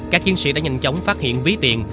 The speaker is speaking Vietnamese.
các chiến sĩ đã nhanh chóng phát hiện ví tiền